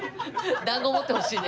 団子持ってほしいね。